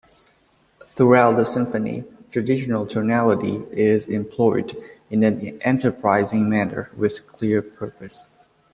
Throughout the symphony, traditional tonality is employed in an enterprising manner with clear purpose.